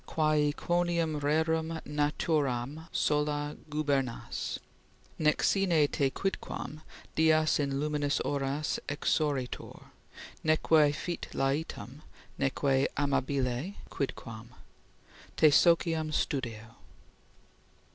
Quae quondam rerum naturam sola gubernas, Nec sine te quidquam dias in luminis oras Exoritur, neque fit laetum neque amabile quidquam; Te sociam studeo!"